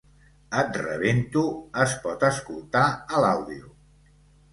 “Et rebento”, es pot escoltar a l’àudio.